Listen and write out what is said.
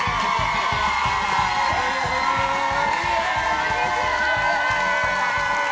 こんにちは！